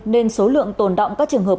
nên số lượng tồn động các trường hợp